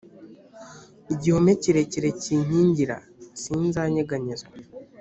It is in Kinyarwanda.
igihome kirekire kinkingira sinzanyeganyezwa